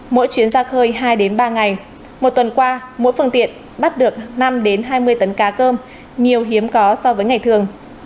mỗi chuyến ra khơi hai ba ngày một tuần qua mỗi phương tiện bắt được năm hai mươi tấn cá cơm nhiều hiếm có so với ngày thường